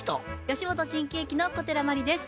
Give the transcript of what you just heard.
吉本新喜劇の小寺真理です。